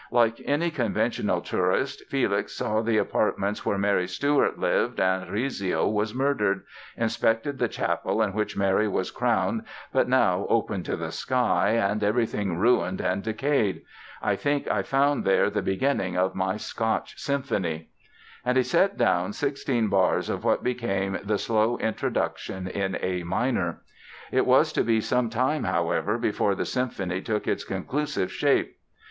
Like any conventional tourist Felix saw the apartments where Mary Stuart lived and Rizzio was murdered, inspected the chapel in which Mary was crowned but now "open to the sky and ... everything ruined and decayed; I think I found there the beginning of my 'Scotch' Symphony". And he set down sixteen bars of what became the slow introduction in A minor. It was to be some time, however, before the symphony took its conclusive shape.